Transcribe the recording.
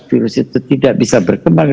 virus itu tidak bisa berkembang